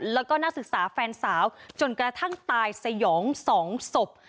แล้วก็นักศึกษาแฟนสาวจนกระทั่งตายสยอง๒ศพ